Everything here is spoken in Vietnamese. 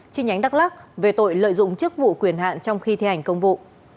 chi nhánh đắk lắc về tội lợi dụng chức vụ quyền hạn trong khi thi hành công vụ